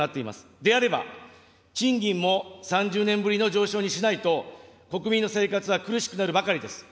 であれば、賃金も、３０年ぶりの上昇にしないと、国民の生活は苦しくなるばかりです。